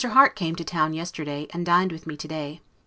Harte came to town yesterday, and dined with me to day.